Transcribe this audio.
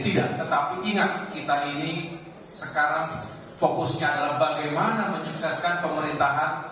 tidak tetapi ingat kita ini sekarang fokusnya adalah bagaimana menyukseskan pemerintahan